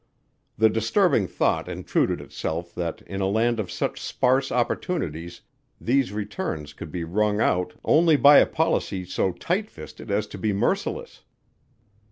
The disturbing thought intruded itself that in a land of such sparse opportunities these returns could be wrung out only by a policy so tight fisted as to be merciless.